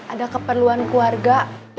ada keperluan keluarga